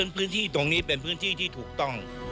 พื้นที่ตรงนี้เป็นพื้นที่ที่ถูกต้อง